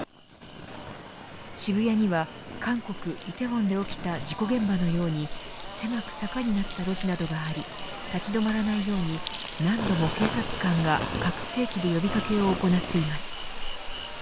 渋谷には韓国、梨泰院で起きた事故現場のように狭く坂になった路地があり立ち止まらないように何度も警察官が拡声器で呼び掛けを行っています。